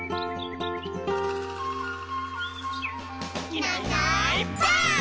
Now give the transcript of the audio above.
「いないいないばあっ！」